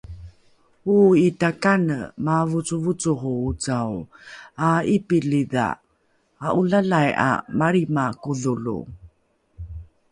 Oo'i ta kane maavocovocoho ocao aa'ipilidha, a'olalai 'a malrima kodholo